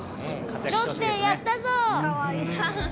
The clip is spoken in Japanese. ロッテ、やったぞ！